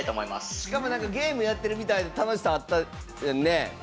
しかもゲームやってるみたいな楽しさあったよね。